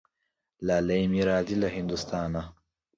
لالی مي راځي له هندوستانه